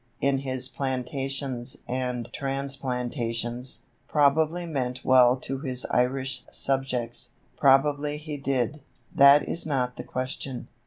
in his plantations and transplantations, probably meant well to his Irish subjects. Probably he did. That is not the question.